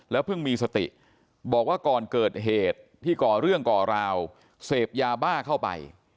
เพิ่งมีสติบอกว่าก่อนเกิดเหตุที่ก่อเรื่องก่อราวเสพยาบ้าเข้าไป